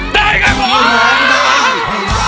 ได้ไงบอก